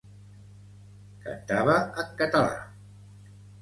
Cantava en català.